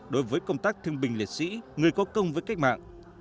đối với công tác thương binh liệt sĩ người có công với cách mạng